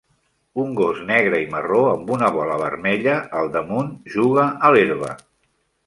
Un gos negre i marró amb una bola vermella al damunt juga a l'herba.